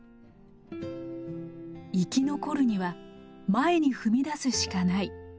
「生き残るには前に踏み出すしかない」。